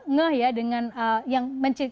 ngeh ya dengan yang